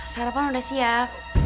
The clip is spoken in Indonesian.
sarapan udah siap